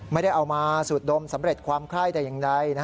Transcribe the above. ไม่ได้เอามาสูดดมสำเร็จความไคร้แต่อย่างใด